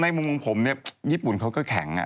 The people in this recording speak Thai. มุมของผมเนี่ยญี่ปุ่นเขาก็แข็ง